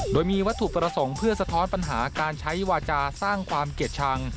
โดยมีวัตถุประสงค์เพื่อสะท้อนปัญหาการใช้วาจาสร้างความเกลียดชัง